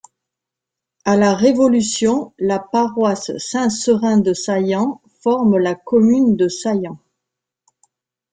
À la Révolution, la paroisse Saint-Seurin de Saillans forme la commune de Saillans.